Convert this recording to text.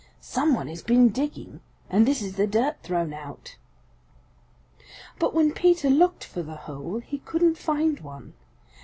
Some one has been digging, and this is the dirt thrown out." But when Peter looked for the hole he couldn't find one.